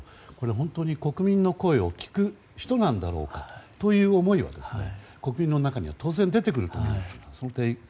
本当に国民の声を聞く人なんだろうかという思いを国民の中には当然出てくると思うんです。